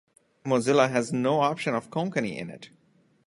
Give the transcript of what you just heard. Mozilla has no option of Konkani in it.